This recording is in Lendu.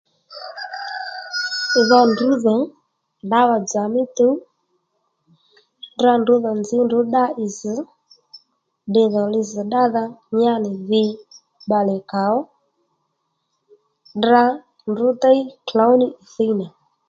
Dho ndrǔ dhò ddǎwà-dzà mí tuw tdra ndrǔ dhò nzǐ ddá ì zz̀ ddiydhò li zz̀ ddádha nyá nì dhi bbalè kàó tdra ndrǔ déy klǒw ní thíy nà